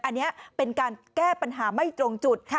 อันนี้เป็นการแก้ปัญหาไม่ตรงจุด